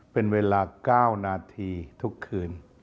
เป็นเวลา๙นาทีทุกคืน